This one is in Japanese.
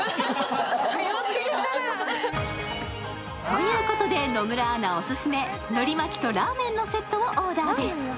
ということで、野村アナオススメ、のり巻きとラーメンのセットをオーダーです。